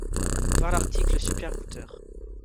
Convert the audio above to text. Voir l'article super-goûteur.